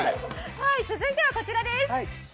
続いてはこちらです。